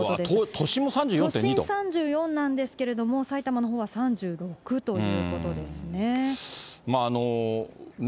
都心３４なんですけれども、埼玉のほうは３６度ということですね。